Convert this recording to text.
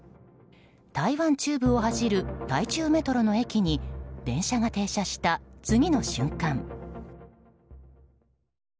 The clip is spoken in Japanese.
台湾中部を走る台中メトロの駅に電車が停車した、次の瞬間。